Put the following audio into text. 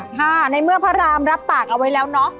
ค่ะในเมื่อพระรามรับปากเอาไว้แล้วเนาะ